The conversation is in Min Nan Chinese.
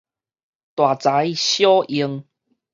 大才小用